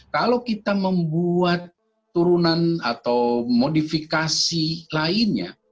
kalau kita membuat turunan atau modifikasi lainnya